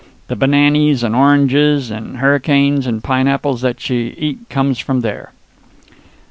The bananys and oranges and hurricanes and pineapples that ye eat comes from there."